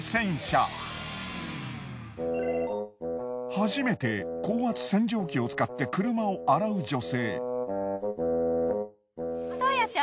初めて高圧洗浄機を使って車を洗う女性。